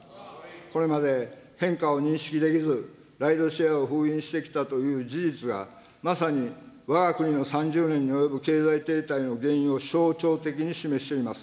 これまで変化を認識できず、ライドシェアを封印してきたという事実が、まさにわが国の３０年に及ぶ経済停滞の原因を象徴的に示しています。